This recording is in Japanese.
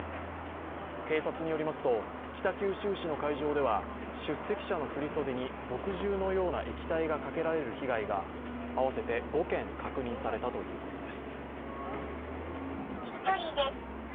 警察によりますと、北九州市の会場では出席者の振り袖に墨汁のような液体がかけられる被害が合わせて５件、確認されたということです。